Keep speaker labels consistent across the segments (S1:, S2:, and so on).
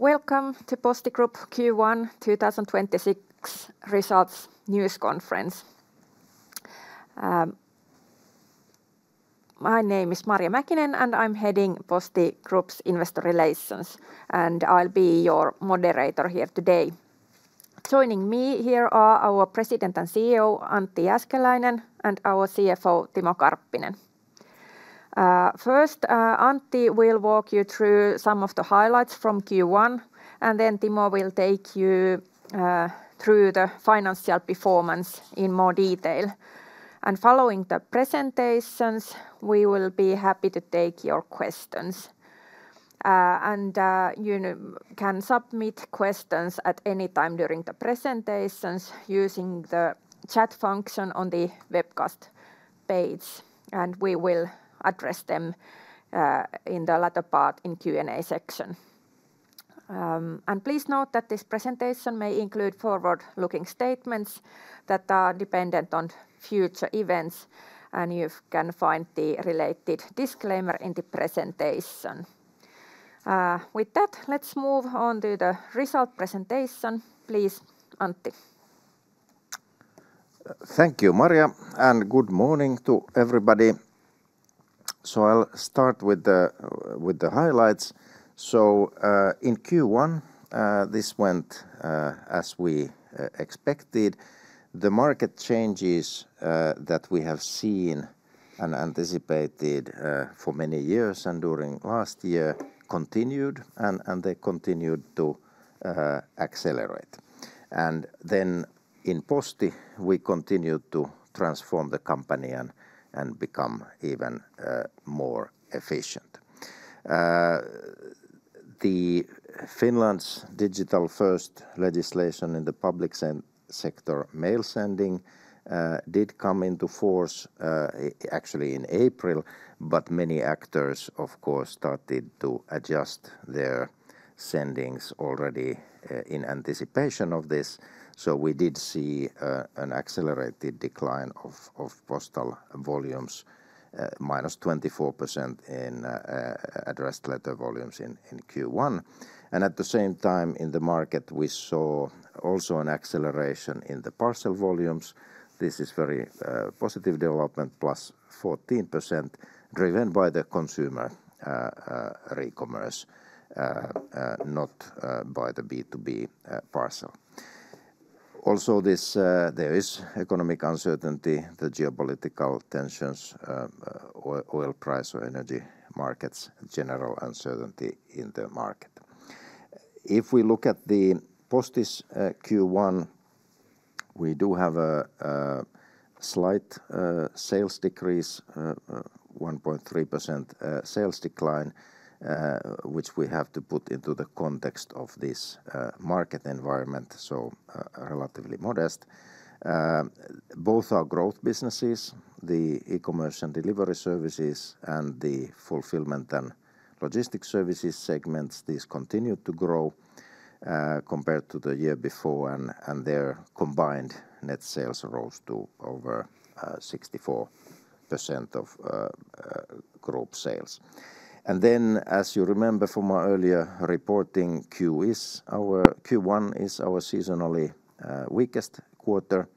S1: Welcome to Posti Group Q1 2026 results news conference. My name is Marja Mäkinen, and I'm heading Posti Group's investor relations, and I'll be your moderator here today. Joining me here are our President and CEO, Antti Jääskeläinen, and our CFO, Timo Karppinen. First, Antti will walk you through some of the highlights from Q1, and then Timo will take you through the financial performance in more detail. Following the presentations, we will be happy to take your questions. You can submit questions at any time during the presentations using the chat function on the webcast page, and we will address them in the latter part in Q&A section. Please note that this presentation may include forward-looking statements that are dependent on future events, and you can find the related disclaimer in the presentation. With that, let's move on to the result presentation, please, Antti.
S2: Thank you, Marja, and good morning to everybody. I'll start with the, with the highlights. In Q1, this went as we expected. The market changes that we have seen and anticipated for many years and during last year continued and they continued to accelerate. In Posti, we continued to transform the company and become even more efficient. The Finland's digital-first legislation in the public sector mail sending did come into force actually in April, but many actors, of course, started to adjust their sendings already in anticipation of this. We did see an accelerated decline of postal volumes, minus 24% in addressed letter volumes in Q1. At the same time in the market, we saw also an acceleration in the parcel volumes. This is very positive development, plus 14%, driven by the consumer recommerce, not by the B2B parcel. There is economic uncertainty, the geopolitical tensions, oil price or energy markets, general uncertainty in the market. If we look at Posti's Q1, we do have a slight sales decrease, 1.3% sales decline, which we have to put into the context of this market environment, so relatively modest. Both our growth businesses, the eCommerce and Delivery Services and the Fulfillment and Logistics Services segments, these continued to grow compared to the year before and their combined net sales rose to over 64% of group sales. As you remember from our earlier reporting, Q is our. Q1 is our seasonally weakest quarter,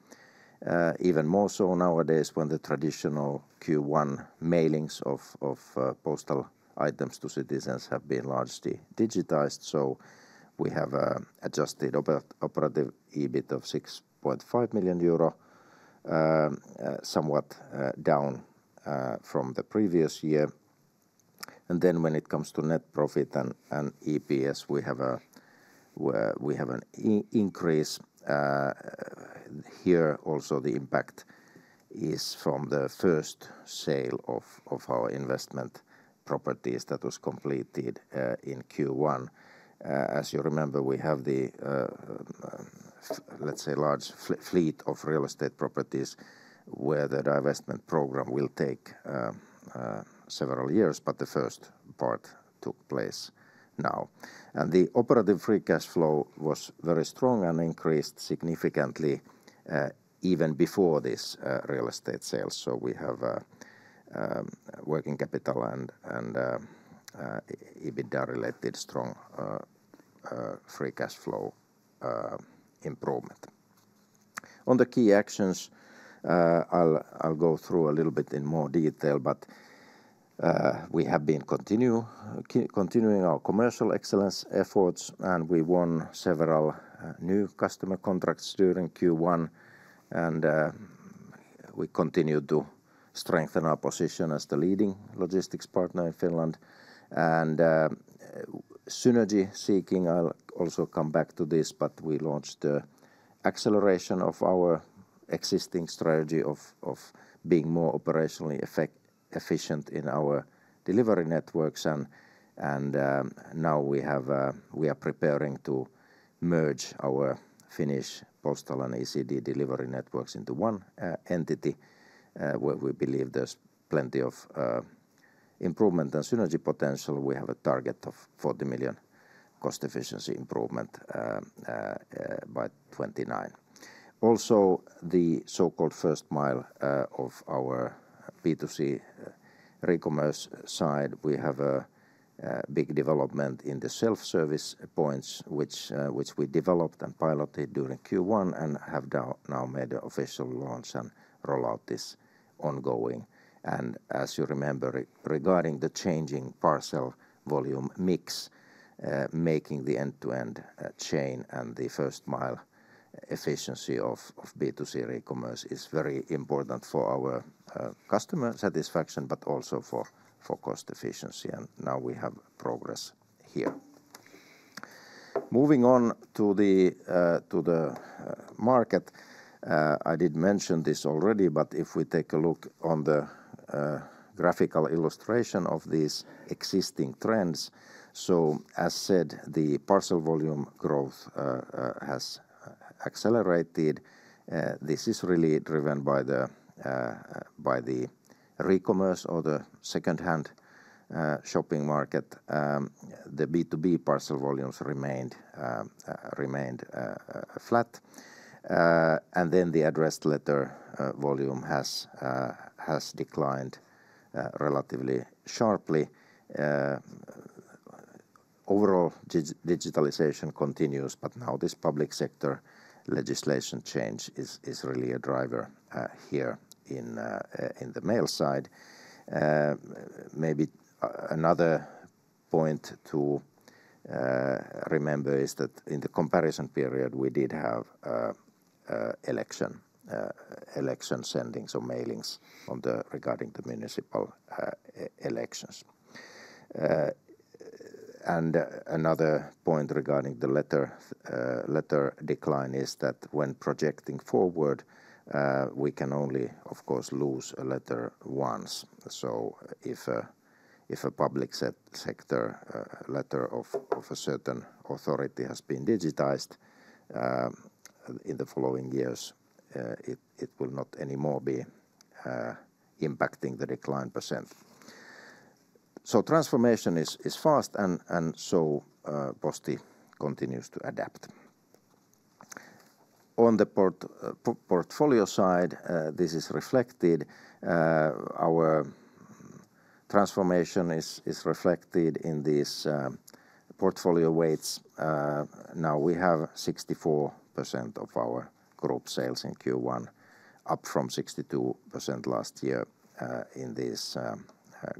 S2: even more so nowadays when the traditional Q1 mailings of postal items to citizens have been largely digitized. We have adjusted operative EBIT of 6.5 million euro, somewhat down from the previous year. When it comes to net profit and EPS, we have an increase. Here also the impact is from the first sale of our investment properties that was completed in Q1. As you remember, we have the, let's say large fleet of real estate properties where the divestment program will take several years, but the first part took place now. The operative free cash flow was very strong and increased significantly even before this real estate sale. We have working capital and EBITDA-related strong free cash flow improvement. On the key actions, I'll go through a little bit in more detail, but we have been continuing our commercial excellence efforts, and we won several new customer contracts during Q1, and we continue to strengthen our position as the leading logistics partner in Finland. Synergy seeking, I'll also come back to this, but we launched the acceleration of our existing strategy of being more operationally efficient in our delivery networks, and now we are preparing to merge our Finnish postal and ECD delivery networks into one entity, where we believe there's plenty of improvement and synergy potential. We have a target of 40 million cost efficiency improvement by 2029. The so-called first mile of our B2C recommerce side, we have a big development in the self-service points which we developed and piloted during Q1 and have now made official launch and rollout is ongoing. As you remember regarding the changing parcel volume mix, making the end-to-end chain and the first mile efficiency of B2C ecommerce is very important for our customer satisfaction, but also for cost efficiency. Now we have progress here. Moving on to the market, I did mention this already, but if we take a look on the graphical illustration of these existing trends, as said, the parcel volume growth has accelerated. This is really driven by the ecommerce or the secondhand shopping market. The B2B parcel volumes remained flat. The addressed letter volume has declined relatively sharply. Overall digitalization continues, now this public sector legislation change is really a driver here in the mail side. Maybe another point to remember is that in the comparison period, we did have election sendings or mailings regarding the municipal elections. Another point regarding the letter decline is that when projecting forward, we can only, of course, lose a letter once. If a, if a public sector letter of a certain authority has been digitized, in the following years, it will not anymore be impacting the decline percent. Transformation is fast, Posti continues to adapt. On the portfolio side, this is reflected. Our transformation is reflected in these portfolio weights. Now we have 64% of our group sales in Q1, up from 62% last year, in these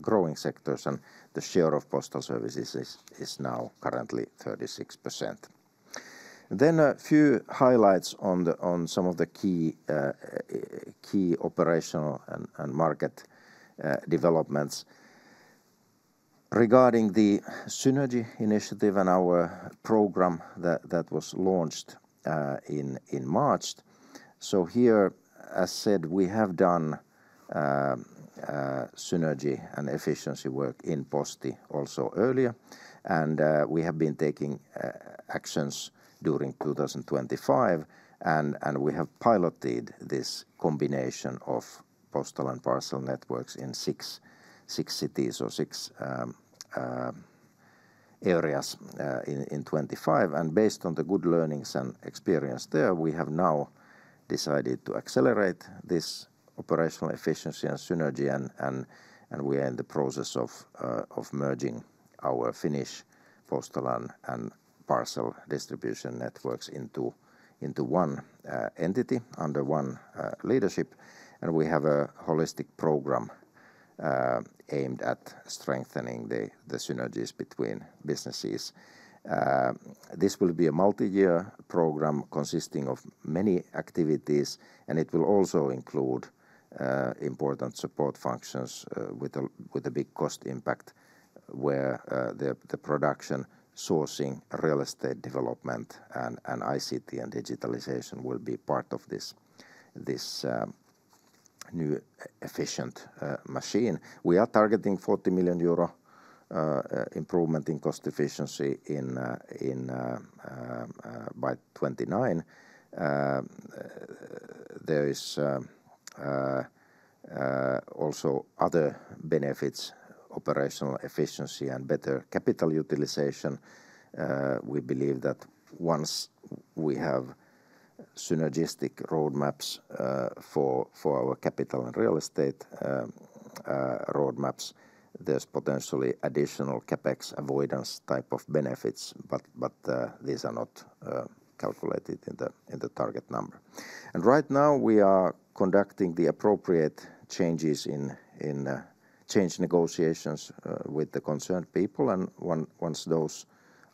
S2: growing sectors, and the share of postal services is now currently 36%. A few highlights on the, on some of the key operational and market developments. Regarding the synergy initiative and our program that was launched in March, here, as said, we have done synergy and efficiency work in Posti also earlier. We have been taking actions during 2025 and we have piloted this combination of postal and parcel networks in six cities or six areas in 2025. Based on the good learnings and experience there, we have now decided to accelerate this operational efficiency and synergy and we are in the process of merging our Finnish postal and parcel distribution networks into one entity under one leadership. We have a holistic program aimed at strengthening the synergies between businesses. This will be a multi-year program consisting of many activities, and it will also include important support functions with a big cost impact where the production sourcing real estate development and ICT and digitalization will be part of this new efficient machine. We are targeting 40 million euro improvement in cost efficiency by 2029. There is also other benefits: operational efficiency and better capital utilization. We believe that once we have synergistic roadmaps for our capital and real estate roadmaps, there's potentially additional CapEx avoidance type of benefits, but these are not calculated in the target number. Right now we are conducting the appropriate changes in change negotiations with the concerned people. Once those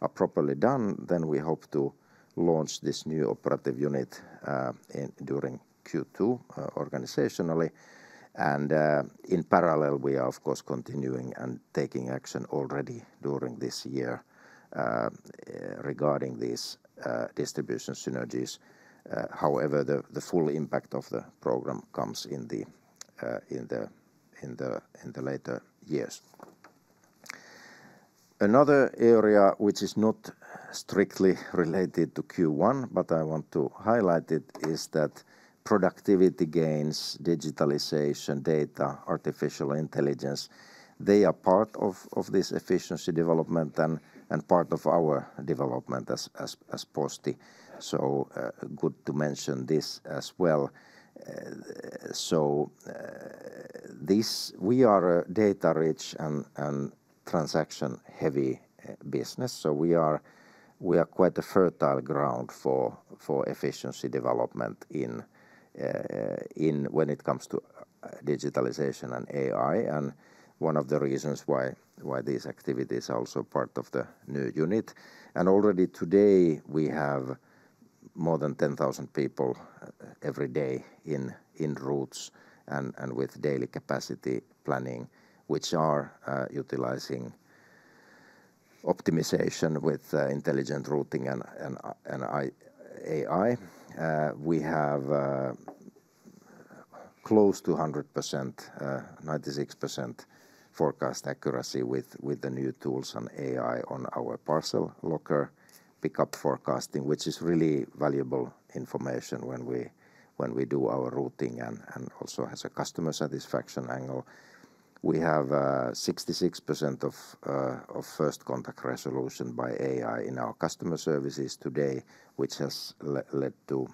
S2: are properly done, then we hope to launch this new operative unit in during Q2 organizationally. In parallel, we are of course continuing and taking action already during this year regarding these distribution synergies. However, the full impact of the program comes in the later years. Another area which is not strictly related to Q1, but I want to highlight it, is that productivity gains, digitalization, data, artificial intelligence, they are part of this efficiency development and part of our development as Posti. Good to mention this as well. This, we are a data-rich and transaction-heavy business, we are quite a fertile ground for efficiency development when it comes to digitalization and AI. One of the reasons why these activities are also part of the new unit. Already today, we have more than 10,000 people every day in routes and with daily capacity planning, which are utilizing optimization with intelligent routing and AI. We have close to 100%, 96% forecast accuracy with the new tools and AI on our parcel locker pickup forecasting, which is really valuable information when we do our routing and also has a customer satisfaction angle. We have 66% of first contact resolution by AI in our customer services today, which has led to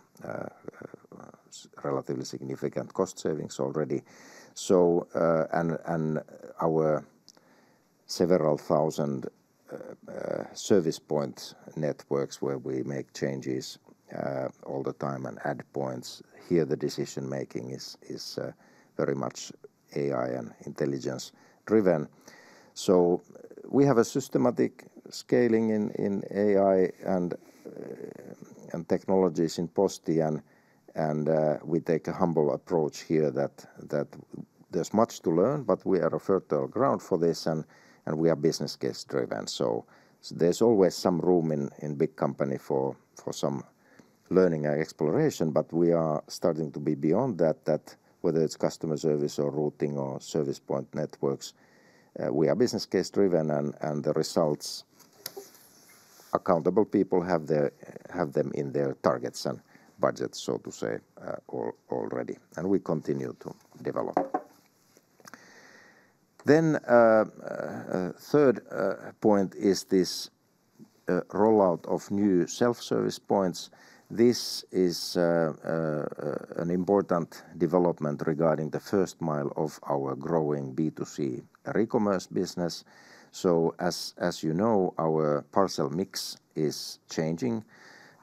S2: relatively significant cost savings already. And our several thousand service point networks where we make changes all the time and add points. Here, the decision-making is very much AI and intelligence driven. We have a systematic scaling in AI and technologies in Posti and we take a humble approach here that there's much to learn, but we are a fertile ground for this and we are business case driven. There's always some room in big company for some learning and exploration, but we are starting to be beyond that, whether it's customer service or routing or service point networks, we are business case driven and the results accountable people have them in their targets and budgets, so to say, already. We continue to develop. Third point is this rollout of new self-service points. This is an important development regarding the first mile of our growing B2C recommerce business. As you know, our parcel mix is changing.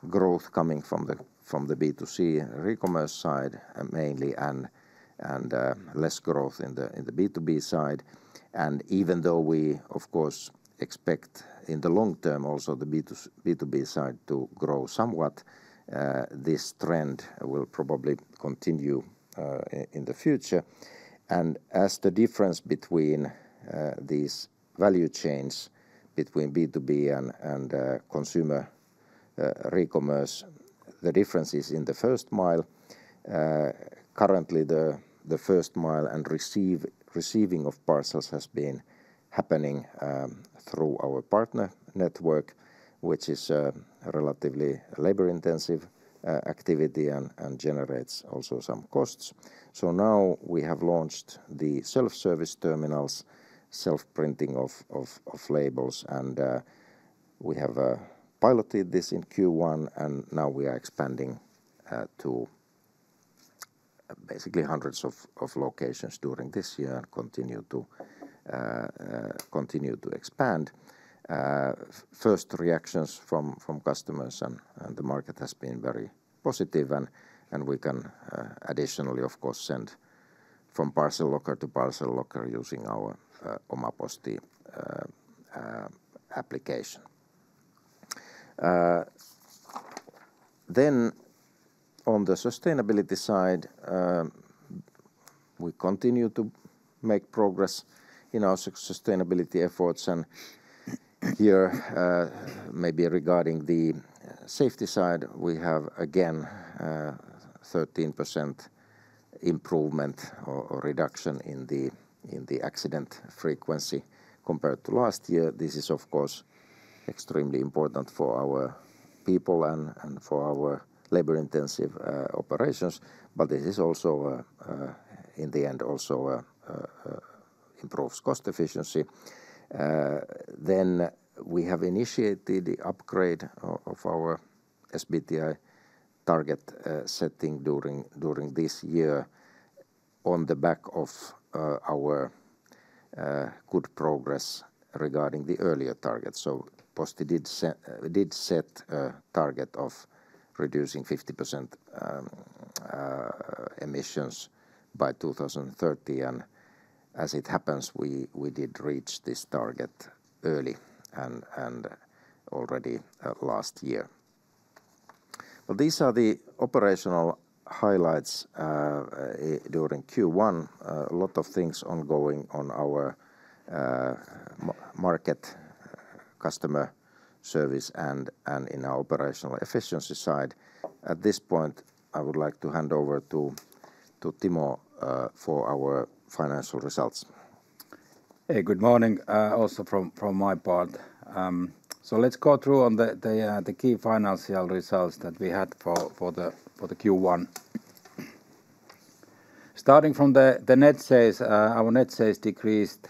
S2: Growth coming from the B2C recommerce side mainly and less growth in the B2B side. Even though we, of course, expect in the long term also the B2B side to grow somewhat, this trend will probably continue in the future. As the difference between these value chains between B2B and consumer recommerce, the difference is in the first mile. Currently the first mile and receiving of parcels has been happening through our partner network, which is a relatively labor-intensive activity and generates also some costs. Now we have launched the self-service terminals, self-printing of labels, and we have piloted this in Q1, and now we are expanding to basically hundreds of locations during this year and continue to continue to expand. First reactions from customers and the market has been very positive and we can additionally, of course, send from parcel locker to parcel locker using our OmaPosti application. Then on the sustainability side, we continue to make progress in our sustainability efforts and here, maybe regarding the safety side, we have again 13% improvement or reduction in the accident frequency compared to last year. This is, of course, extremely important for our people and for our labor-intensive operations. This is also in the end also improves cost efficiency. Then we have initiated the upgrade of our SBTi target setting during this year on the back of our good progress regarding the earlier targets. Posti did set a target of reducing 50% emissions by 2030. As it happens, we did reach this target early and already last year. Well, these are the operational highlights during Q1. A lot of things ongoing on our market customer service and in our operational efficiency side. At this point, I would like to hand over to Timo for our financial results.
S3: Hey, good morning, also from my part. Let's go through on the key financial results that we had for the Q1. Starting from the net sales, our net sales decreased.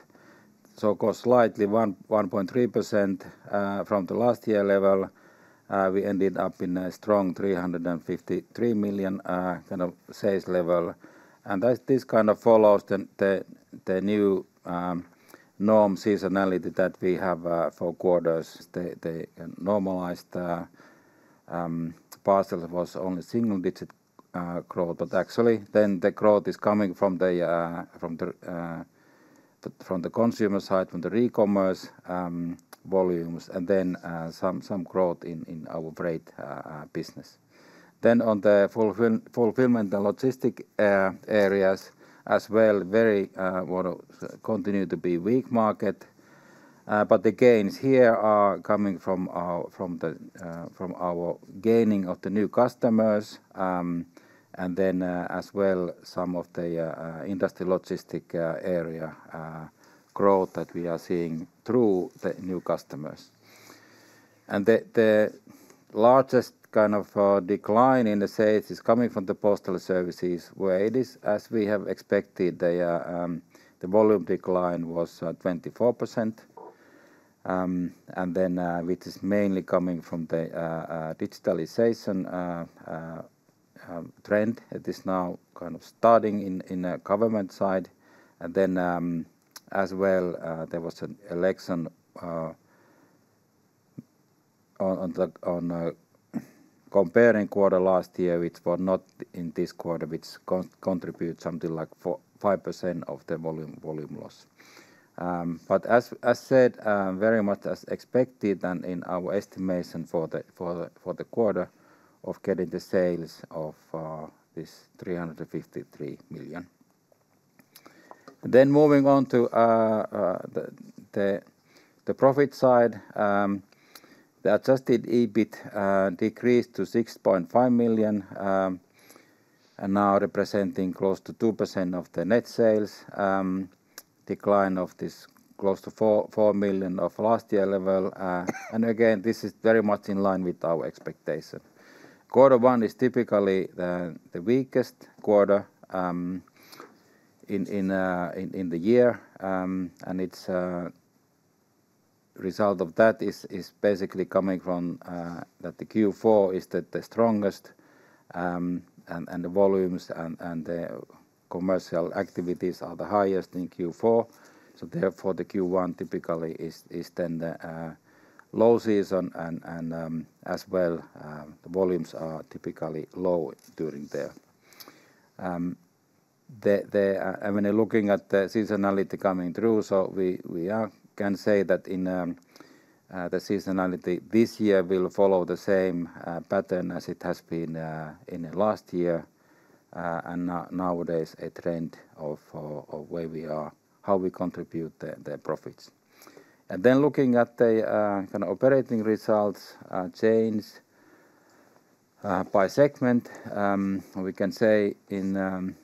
S3: Of course, slightly 1.3% from the last year level. We ended up in a strong 353 million kind of sales level. This kind of follows the new norm seasonality that we have for quarters. The normalized parcel was only single-digit growth. Actually, then the growth is coming from the from the consumer side, from the eCommerce volumes and then some growth in our freight business. On the Fulfillment and Logistics areas as well, very continue to be weak market. The gains here are coming from our gaining of the new customers, and then as well some of the industry logistics area growth that we are seeing through the new customers. The largest kind of decline in the sales is coming from the Postal Services, where it is, as we have expected, the volume decline was 24%, which is mainly coming from the digitalization trend. It is now kind of starting in the government side. As well there was an election on the comparing quarter last year, which was not in this quarter, which contribute something like 4%-5% of the volume loss. As said, very much as expected and in our estimation for the quarter of getting the sales of 353 million. Moving on to the profit side. The adjusted EBIT decreased to 6.5 million and now representing close to 2% of the net sales. Decline of this close to 4 million of last year level. Again, this is very much in line with our expectation. Q1 is typically the weakest quarter in the year. It's result of that is basically coming from that Q4 is the strongest, the volumes and the commercial activities are the highest in Q4. Therefore, the Q1 typically is then the low season and, as well, the volumes are typically low during the. When you're looking at the seasonality coming through, we can say that the seasonality this year will follow the same pattern as it has been in the last year. Nowadays a trend of where we are, how we contribute the profits. Looking at the kind of operating results change by segment, we can say in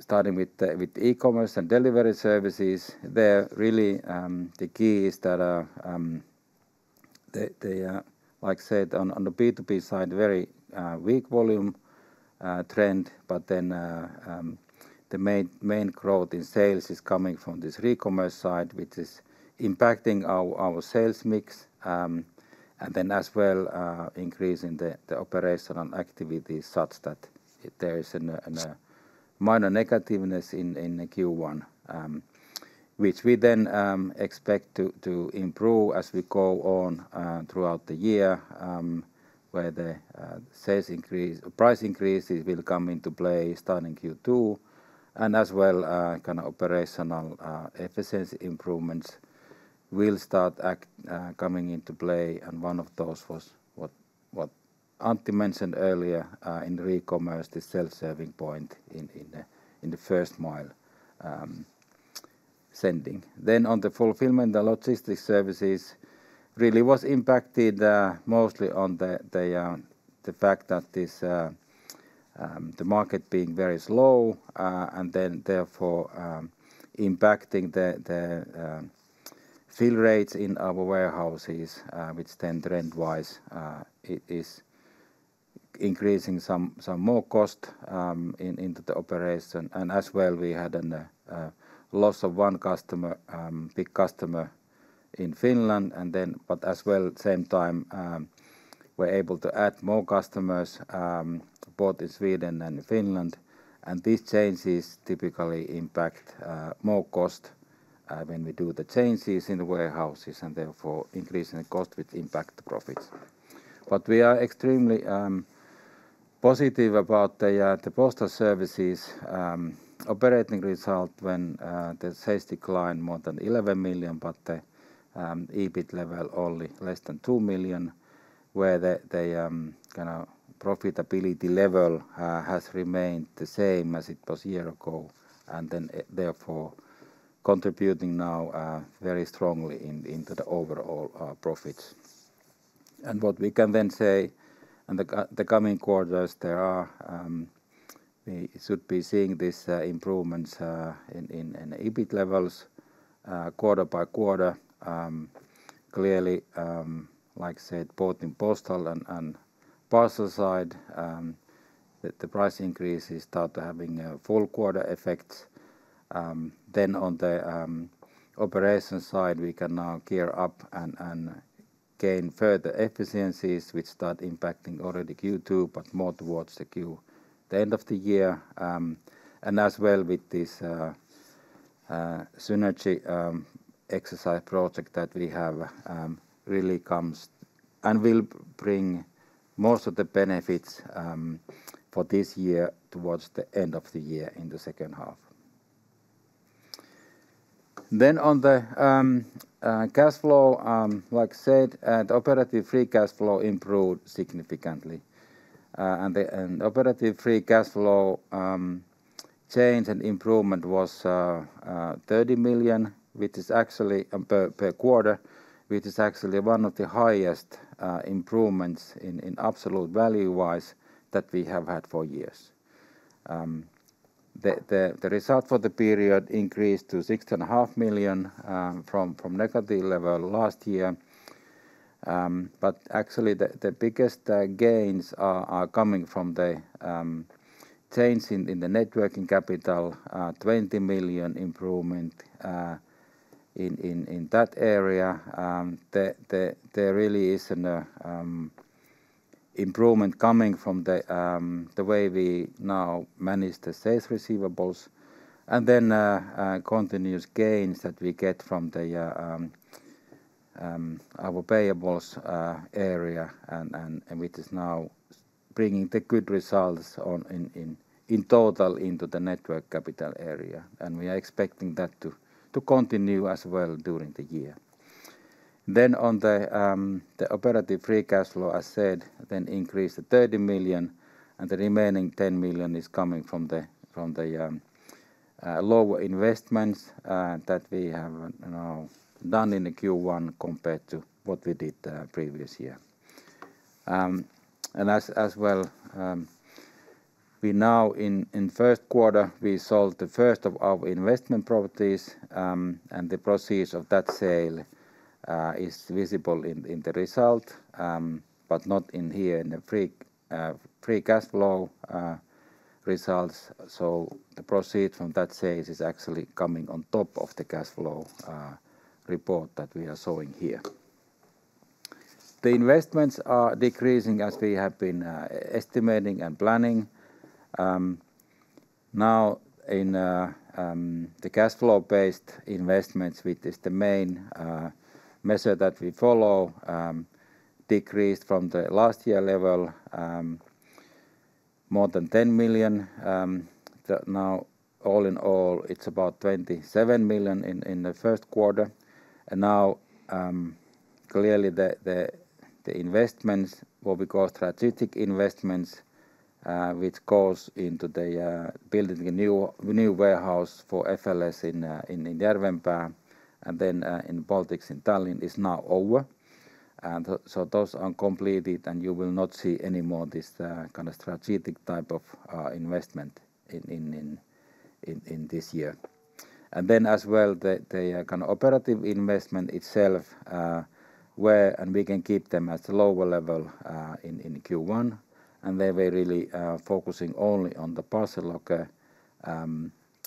S3: starting with the eCommerce and Delivery Services, they're really, the key is that, like I said, on the B2B side, very weak volume trend. The main growth in sales is coming from this e-commerce side, which is impacting our sales mix, and then as well increasing the operational activity such that there is an minor negativeness in the Q1, which we then expect to improve as we go on throughout the year, where the price increases will come into play starting Q2. As well, kind of operational efficiency improvements will start coming into play. One of those was what Antti Jääskeläinen mentioned earlier, in the e-commerce, the self-serving point in the first mile sending. On the Fulfillment and Logistics Services really was impacted mostly on the fact that this market being very slow, and therefore impacting the fill rates in our warehouses, which trend-wise is increasing some more cost into the operation. As well, we had a loss of one customer, big customer in Finland. But as well, same time, we are able to add more customers both in Sweden and Finland. These changes typically impact more cost when we do the changes in the warehouses and therefore increasing the cost which impact the profits. We are extremely positive about the Postal Services operating result when the sales declined more than 11 million, but the EBIT level only less than 2 million, where the kind of profitability level has remained the same as it was year ago, and then therefore contributing now very strongly into the overall profits. What we can then say in the coming quarters there are, we should be seeing these improvements in EBIT levels quarter by quarter. Like I said, both in Postal and parcel side, the price increase is start having a full quarter effects. Then on the operation side, we can now gear up and gain further efficiencies which start impacting already Q2, but more towards the Q... the end of the year. As well with this synergy exercise project that we have, really comes and will bring most of the benefits for this year towards the end of the year in the second half. On the cash flow, like I said, the operative free cash flow improved significantly. Operative free cash flow change and improvement was 30 million, which is actually per quarter, which is actually one of the highest improvements in absolute value-wise that we have had for years. The result for the period increased to six and a half million from negative level last year. Actually the biggest gains are coming from the change in the net working capital, 20 million improvement in that area. There really is an improvement coming from the way we now manage the sales receivables and then continuous gains that we get from our payables area and which is now bringing the good results in total into the net working capital area. We are expecting that to continue as well during the year. On the operative free cash flow, I said, increased to 30 million and the remaining 10 million is coming from the, from the, lower investments, that we have now done in the Q1 compared to what we did, previous year. As, as well, we now in first quarter, we sold the first of our investment properties, and the proceeds of that sale, is visible in the result, but not in here in the free cash flow, results. The proceed from that sale is actually coming on top of the cash flow, report that we are showing here. The investments are decreasing as we have been, estimating and planning. Now in the cash flow-based investments, which is the main measure that we follow, decreased from the last year level more than 10 million. Now all in all, it's about 27 million in Q1. Now, clearly the investments, what we call strategic investments, which goes into the building a new warehouse for FLS in Järvenpää and then in Baltics in Tallinn is now over. Those are completed, and you will not see any more this kind of strategic type of investment in this year. As well, the kind of operative investment itself, and we can keep them at a lower level in Q1. There we're really focusing only on the parcel locker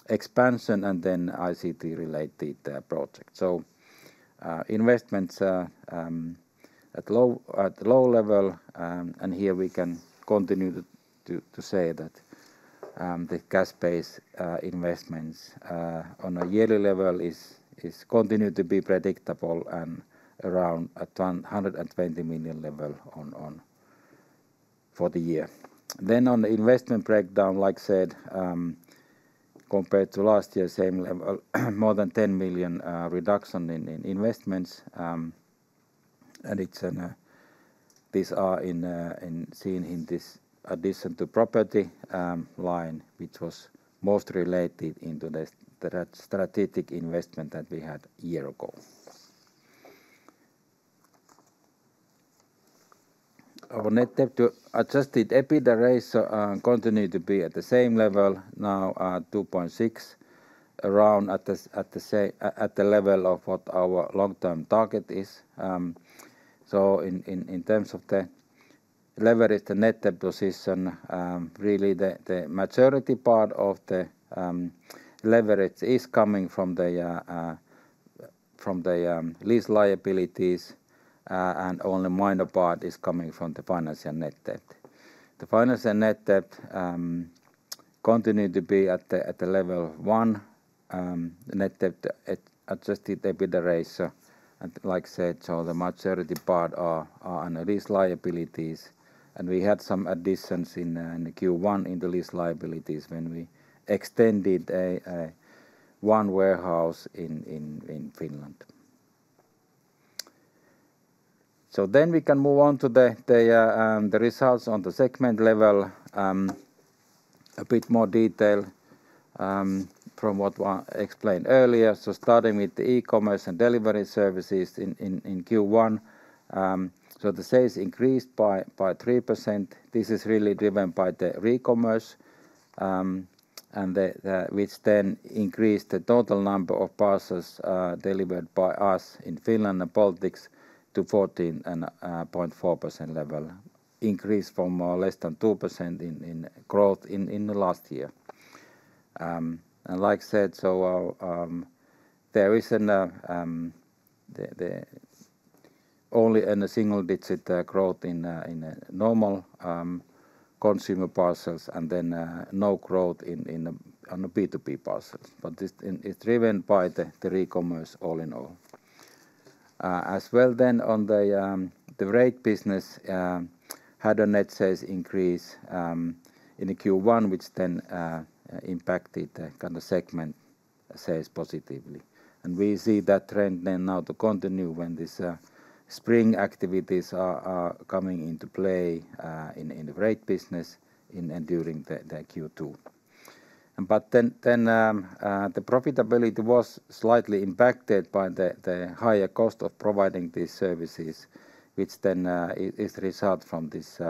S3: expansion and then ICT-related project. Investments are at low level. Here we can continue to say that the cash-based investments on a yearly level is continued to be predictable and around a 120 million level for the year. On the investment breakdown, like I said, compared to last year, same level, more than 10 million reduction in investments. These are seen in this addition to property line, which was most related into the strategic investment that we had one year ago. Our net debt to adjusted EBITDA ratio continue to be at the same level now at 2.6, around at the level of what our long-term target is. In terms of the leverage, the net debt position, really the maturity part of the leverage is coming from the lease liabilities, and only minor part is coming from the financial net debt. The financial net debt continue to be at the level one net debt adjusted EBITDA ratio. Like I said, the maturity part are under these liabilities. We had some additions in the Q1 in the lease liabilities when we extended a one warehouse in Finland. We can move on to the results on the segment level, a bit more detail from what Antti explained earlier. Starting with the eCommerce and Delivery Services in Q1. The sales increased by 3%. This is really driven by the recommerce, and the which then increased the total number of parcels delivered by us in Finland and Baltics to 14.4% level. Increase from less than 2% in growth in the last year. Like said, there is only a single-digit growth in a normal consumer parcels and no growth on the B2B parcels. This is driven by the eCommerce all in all. As well then on the freight business had a net sales increase in the Q1, which then impacted the kind of segment sales positively. We see that trend then now to continue when this spring activities are coming into play in the freight business and during the Q2. Then the profitability was slightly impacted by the higher cost of providing these services, which then is result from this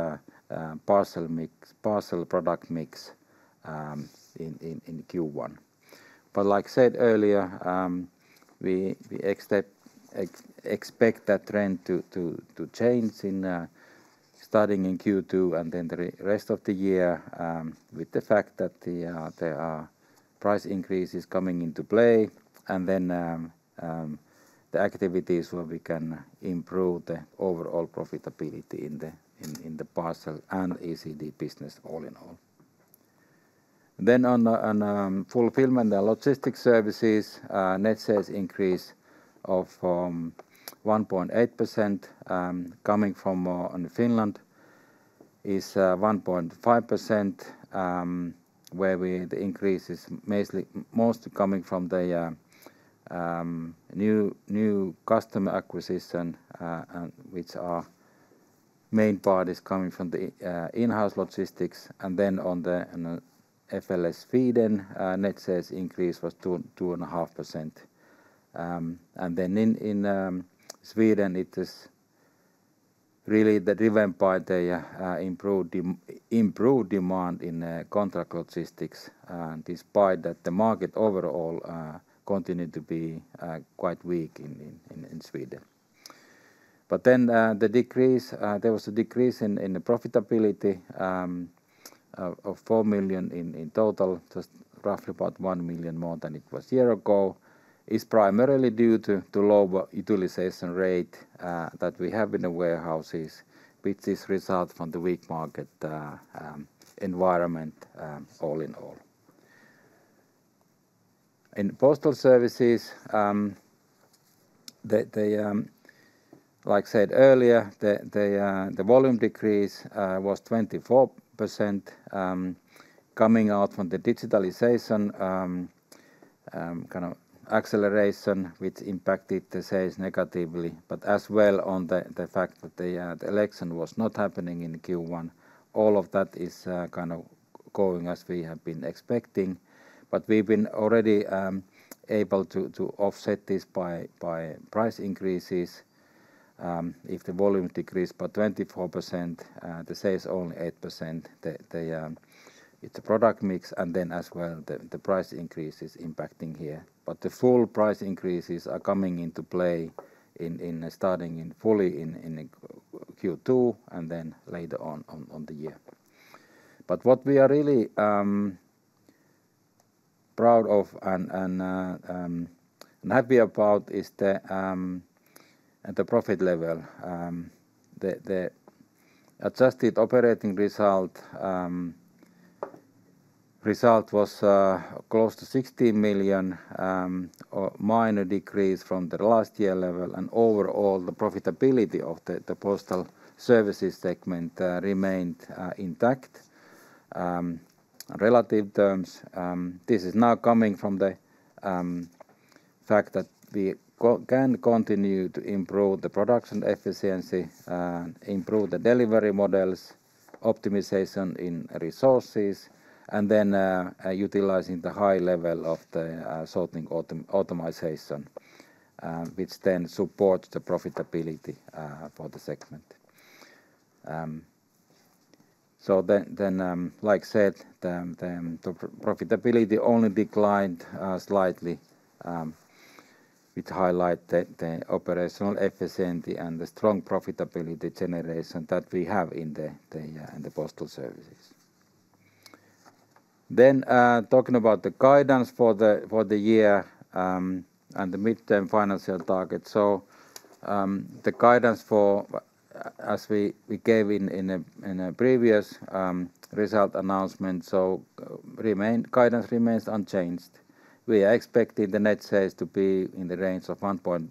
S3: parcel mix, parcel product mix in Q1. Like said earlier, we expect that trend to change in starting in Q2 and the rest of the year, with the fact that there are price increases coming into play and the activities where we can improve the overall profitability in the parcel and ECD business all in all. On Fulfillment and Logistics Services, net sales increase of 1.8%, coming from on Finland is 1.5%, where the increase is mostly coming from the new customer acquisition, and which are main part is coming from the in-house logistics. On FLS Sweden, net sales increase was 2.5%. In Sweden, it is really driven by the improved demand in contract logistics, despite that the market overall continued to be quite weak in Sweden. The decrease, there was a decrease in the profitability of 4 million in total, just roughly about 1 million more than it was a year ago. It is primarily due to lower utilization rate that we have in the warehouses with this result from the weak market environment, all in all. In Postal Services, like said earlier, the volume decrease was 24%, coming out from the digitalization kind of acceleration which impacted the sales negatively, but as well on the fact that the election was not happening in Q1. All of that is kind of going as we have been expecting. We've been already able to offset this by price increases. If the volume decreased by 24%, the sales only 8%. It's a product mix and then as well the price increase is impacting here. The full price increases are coming into play starting fully in Q2 and then later on the year. What we are really proud of and happy about is at the profit level. The adjusted operating result was close to 60 million or minor decrease from the last year level and overall the profitability of the Postal Services segment remained intact relative terms. This is now coming from the fact that we can continue to improve the production efficiency, improve the delivery models, optimization in resources, and then utilizing the high level of the sorting automatization, which then supports the profitability for the segment. Then, like said, the profitability only declined slightly, which highlight the operational efficiency and the strong profitability generation that we have in the Postal Services. Talking about the guidance for the year and the midterm financial target. The guidance for as we gave in a previous result announcement, guidance remains unchanged. We are expecting the net sales to be in the range of 1.4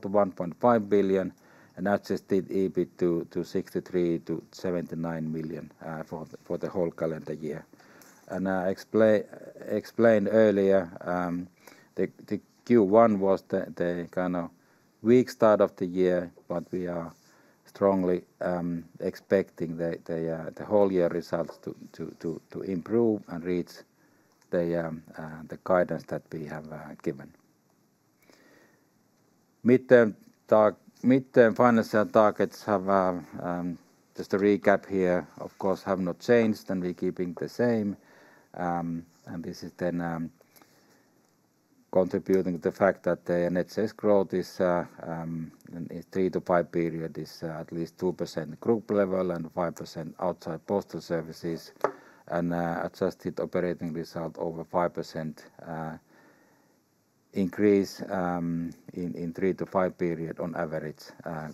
S3: billion-1.5 billion and adjusted EBIT to 63 million-79 million for the whole calendar year. I explained earlier, the Q1 was the kind of weak start of the year, but we are strongly expecting the whole year results to improve and reach the guidance that we have given. Midterm financial targets have just a recap here, of course, have not changed and we're keeping the same. This is then contributing to the fact that the net sales growth in three-five period is at least 2% group level and 5% outside Postal Services. Adjusted operating result over 5% increase in three-five period on average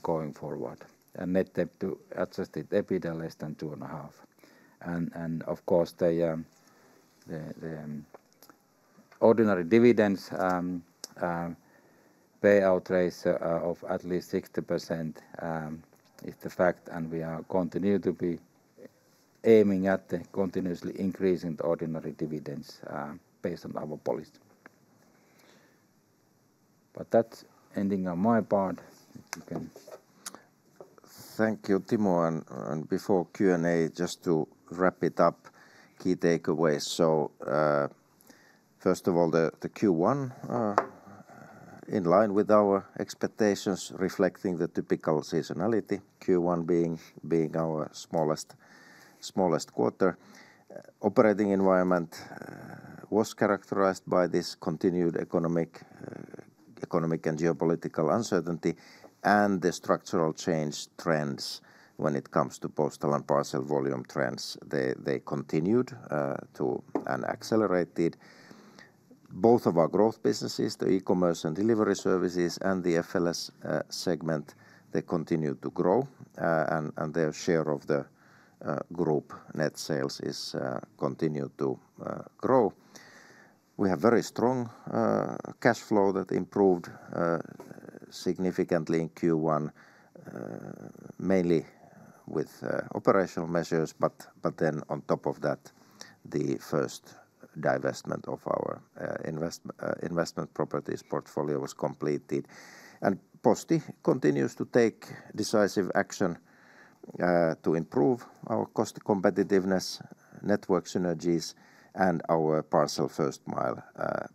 S3: going forward. Net debt to adjusted EBITDA less than 2.5. Of course, the ordinary dividends payout rates of at least 60% is the fact and we are continue to be aiming at the continuously increasing the ordinary dividends based on our policy. That's ending on my part. You can...
S2: Thank you, Timo. Before Q&A, just to wrap it up, key takeaways. First of all, the Q1 in line with our expectations reflecting the typical seasonality, Q1 being our smallest quarter. Operating environment was characterized by this continued economic and geopolitical uncertainty, and the structural change trends when it comes to postal and parcel volume trends. They continued to and accelerated both of our growth businesses, the eCommerce and Delivery Services and the FLS segment, they continued to grow, and their share of the group net sales is continued to grow. We have very strong cash flow that improved significantly in Q1 mainly with operational measures. Then on top of that, the first divestment of our investment properties portfolio was completed. Posti continues to take decisive action to improve our cost competitiveness, network synergies, and our parcel first mile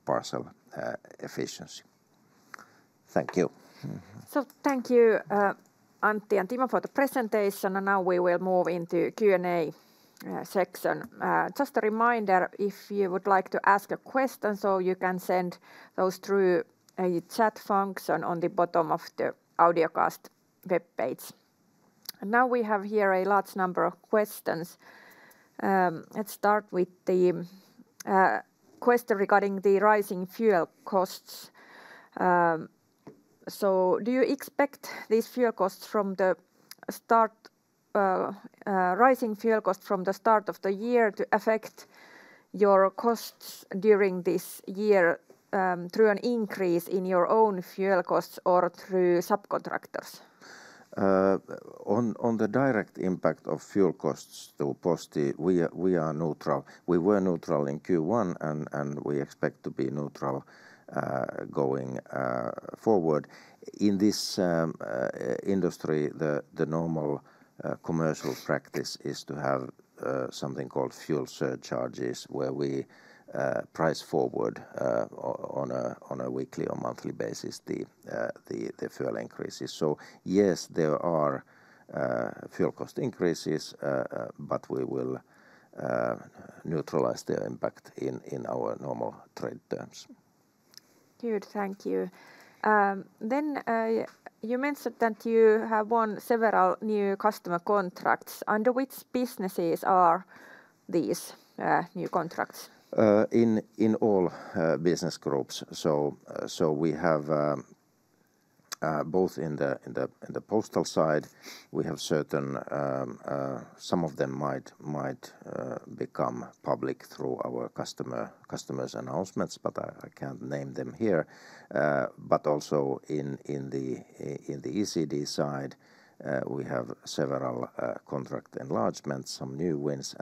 S2: parcel efficiency. Thank you.
S1: Thank you, Antti and Timo for the presentation. Now we will move into Q&A section. Just a reminder, if you would like to ask a question, you can send those through a chat function on the bottom of the audiocast webpage. We have here a large number of questions. Let's start with the question regarding the rising fuel costs. Do you expect these rising fuel costs from the start of the year to affect your costs during this year through an increase in your own fuel costs or through subcontractors?
S2: On the direct impact of fuel costs to Posti, we are neutral. We were neutral in Q1 and we expect to be neutral going forward. In this industry, the normal commercial practice is to have something called fuel surcharges, where we price forward on a weekly or monthly basis the fuel increases. Yes, there are fuel cost increases, but we will neutralize the impact in our normal trade terms.
S1: Good. Thank you. You mentioned that you have won several new customer contracts. Under which businesses are these new contracts?
S2: In all business groups. We have both in the postal side, we have certain, some of them might become public through our customers' announcements, but I can't name them here. Also in the ECD side, we have several contract enlargements, some new wins.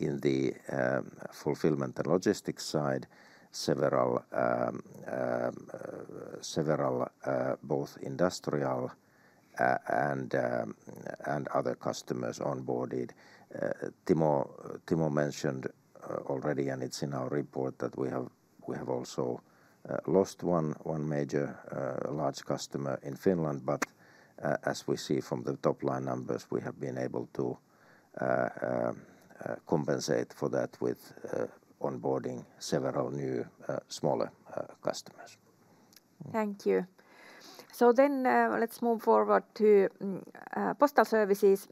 S2: In the Fulfillment and Logistics side, several both industrial and other customers onboarded. Timo mentioned already, it's in our report, that we have also lost one major large customer in Finland. As we see from the top-line numbers, we have been able to compensate for that with onboarding several new smaller customers.
S1: Thank you. Let's move forward to Postal Services.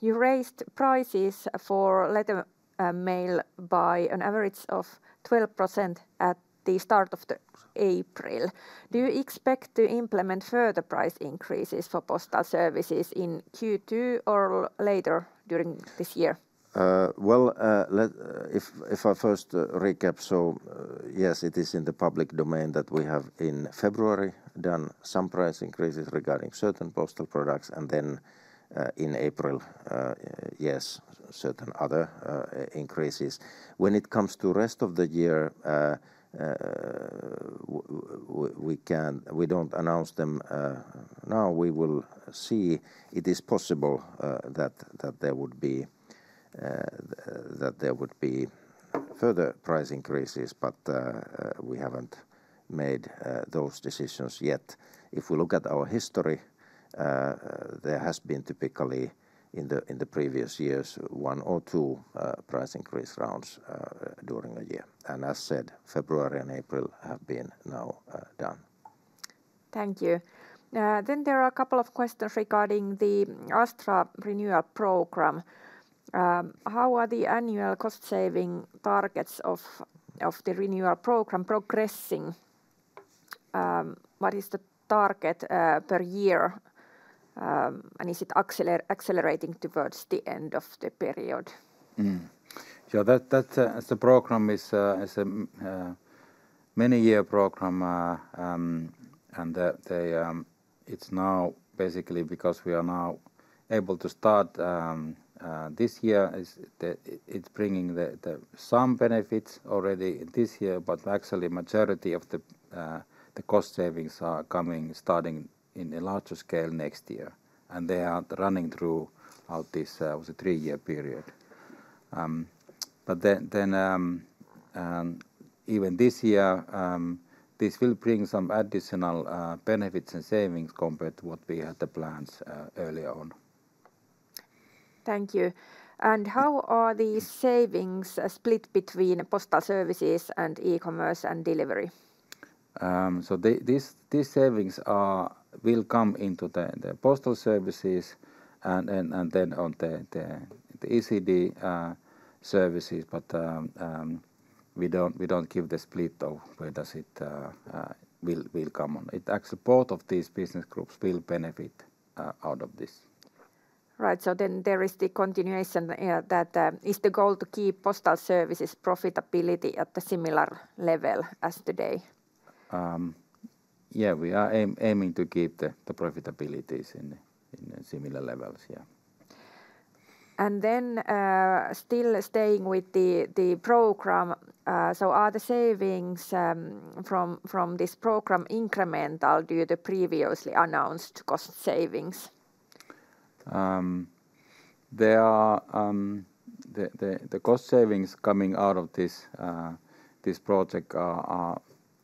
S1: You raised prices for letter mail by an average of 12% at the start of April. Do you expect to implement further price increases for Postal Services in Q2 or later during this year?
S3: If I first recap. Yes, it is in the public domain that we have, in February, done some price increases regarding certain postal products and then, in April, yes, certain other increases. When it comes to rest of the year, We don't announce them now. We will see. It is possible that there would be. That there would be further price increases, but we haven't made those decisions yet. If we look at our history, there has been typically in the previous years one or two price increase rounds during a year. As said, February and April have been now done.
S1: Thank you. There are a couple of questions regarding the Astra renewal program. How are the annual cost saving targets of the renewal program progressing? What is the target per year? Is it accelerating towards the end of the period?
S3: Yeah, that, as the program is a many year program. It's now basically because we are now able to start. This year is bringing some benefits already this year, but actually majority of the cost savings are coming starting in a larger scale next year, and they are running throughout this was a three-year period. Then, then, even this year, this will bring some additional benefits and savings compared to what we had the plans earlier on.
S1: Thank you. How are these savings split between Postal Services and eCommerce and Delivery Services?
S3: These savings are, will come into the Postal Services and then on the ECD services. We don't give the split of where does it will come on. Actually both of these business groups will benefit out of this.
S1: Right. There is the continuation, that, is the goal to keep Postal Services profitability at the similar level as today?
S3: Yeah, we are aiming to keep the profitabilities in similar levels. Yeah.
S1: Still staying with the program. Are the savings, from this program incremental due to previously announced cost savings?
S3: The cost savings coming out of this project are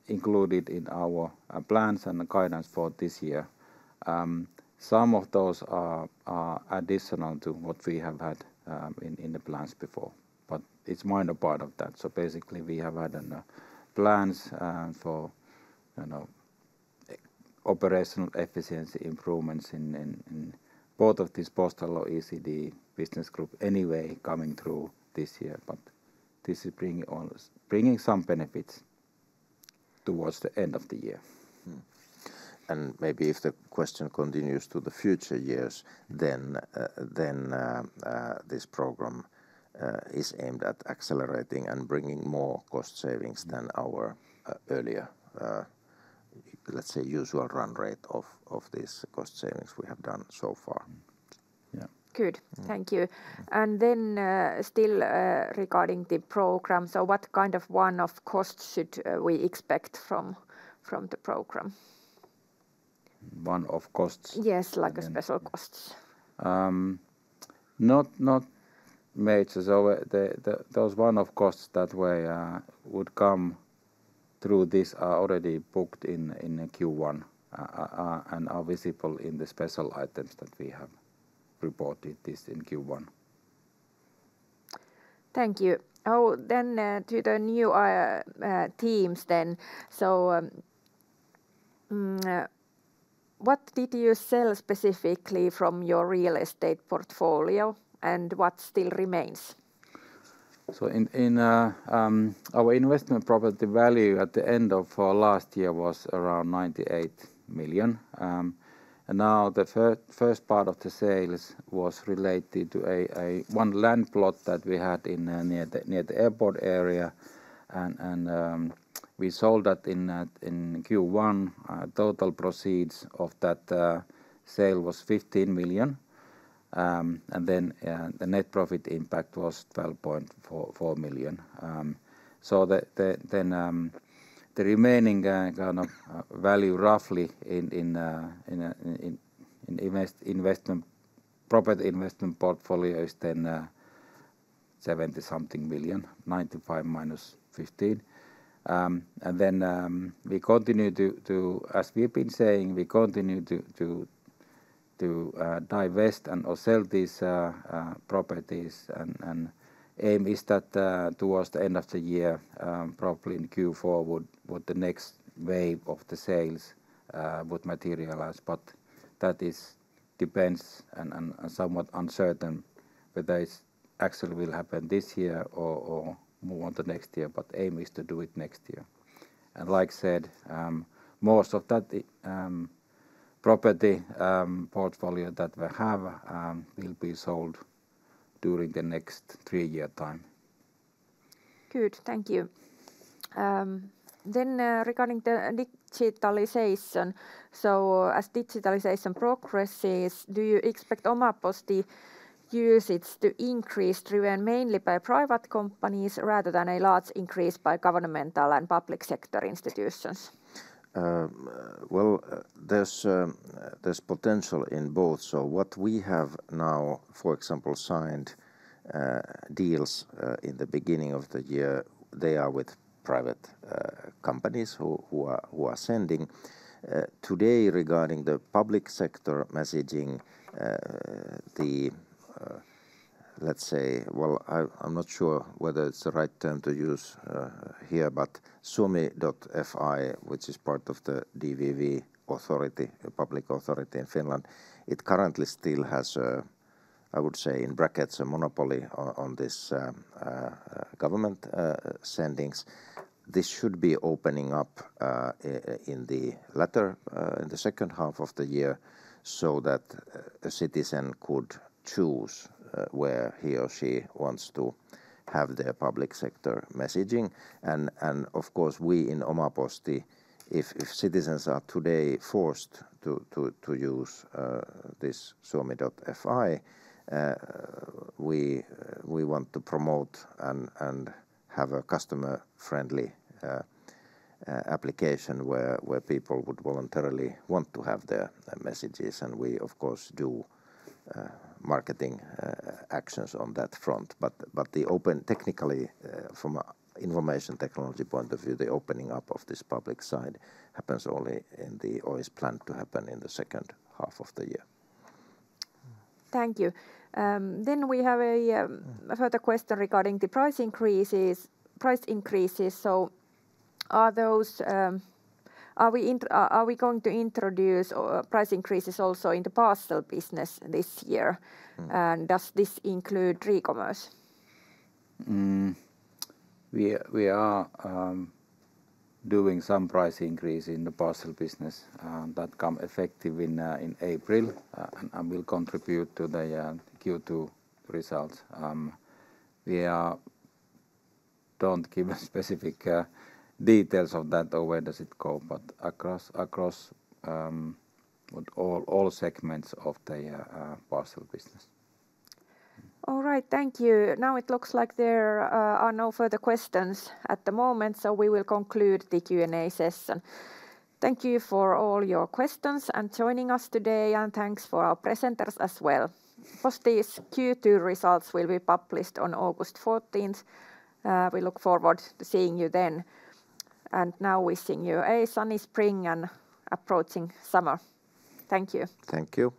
S3: included in our plans and the guidance for this year. Some of those are additional to what we have had in the plans before, but it's minor part of that. Basically we have had plans for, you know, operational efficiency improvements in both of these postal or ECD Business Group anyway coming through this year. This is bringing some benefits towards the end of the year. Maybe if the question continues to the future years, then this program is aimed at accelerating and bringing more cost savings than our earlier, let's say usual run rate of this cost savings we have done so far.
S1: Good. Thank you. Still, regarding the Program, what kind of one-off costs should we expect from the Program?
S3: One-off costs?
S1: Yes, like a special costs.
S3: Not, not major. Those one-off costs that would come through this are already booked in Q1 and are visible in the special items that we have reported this in Q1.
S1: Thank you. To the new teams then. What did you sell specifically from your real estate portfolio, and what still remains?
S3: In our investment property value at the end of last year was around 98 million. Now the first part of the sales was related to a one land plot that we had in near the airport area and we sold that in Q1. Total proceeds of that sale was 15 million. The net profit impact was 12.4 million. The remaining value roughly in an investment property investment portfolio is 70-something million, 95 minus 15. We continue. As we've been saying, we continue to divest and/or sell these properties and aim is that towards the end of the year, probably in Q4 would the next wave of the sales would materialize. That is depends and somewhat uncertain whether it's actually will happen this year or move on to next year. Aim is to do it next year. Like said, most of that property portfolio that we have will be sold during the next three-year time.
S1: Good. Thank you. Regarding the digitalization. As digitalization progresses, do you expect OmaPosti usage to increase driven mainly by private companies rather than a large increase by governmental and public sector institutions?
S3: Well, there's potential in both. What we have now, for example, signed deals in the beginning of the year, they are with private companies who are sending. Today regarding the public sector messaging.
S2: Well, I'm not sure whether it's the right term to use here, but Suomi.fi, which is part of the DVV authority, a public authority in Finland, it currently still has a, I would say in brackets, a monopoly on this government sendings. This should be opening up in the latter, in the second half of the year so that a citizen could choose where he or she wants to have their public sector messaging. Of course we in OmaPosti, if citizens are today forced to use this Suomi.fi, we want to promote and have a customer-friendly application where people would voluntarily want to have their messages. We of course do marketing actions on that front. Technically, from a information technology point of view, the opening up of this public side happens only or is planned to happen in the second half of the year.
S1: Thank you. We have a further question regarding the price increases. Are we going to introduce price increases also in the parcel business this year?
S2: Mm.
S1: Does this include e-commerce?
S3: We are doing some price increase in the parcel business that come effective in April and will contribute to the Q2 results. We don't give specific details of that or where does it go, but across all segments of the parcel business.
S1: All right. Thank you. Now it looks like there are no further questions at the moment, so we will conclude the Q&A session. Thank you for all your questions and joining us today, and thanks for our presenters as well. Posti's Q2 results will be published on August 14th. We look forward to seeing you then. Now wishing you a sunny spring and approaching summer. Thank you.
S3: Thank you.
S2: Thank you.